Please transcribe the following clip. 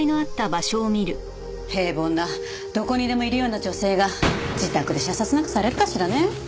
平凡などこにでもいるような女性が自宅で射殺なんかされるかしらね？